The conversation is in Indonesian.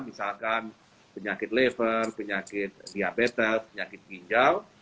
misalkan penyakit lever penyakit diabetes penyakit ginjal